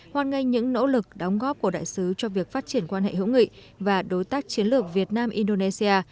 hoàn ngành những nỗ lực đóng góp của đại sứ cho việc phát triển quan hệ hữu nghị và đối tác chiến lược việt nam indonesia